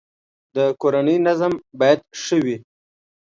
د کورنی نظم باید ښه وی